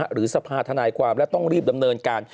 หรือสภาธนายความและต้องรีบดำเนินการ